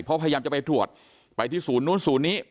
เพราะพยายามจะไปตรวจไปที่ศูนย์นู้นศูนย์นี้